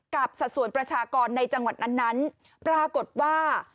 สัดส่วนประชากรในจังหวัดนั้นปรากฏว่า